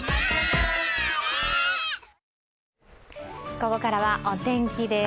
ここからはお天気です。